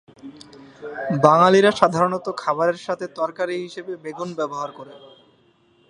বাঙালিরা সাধারণত খাবারের সাথে তরকারী হিসাবে বেগুন ব্যবহার করে।